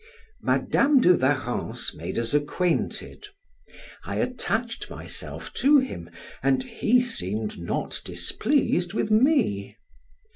Madam de Warrens made us acquainted; I attached myself to him, and he seemed not displeased with me.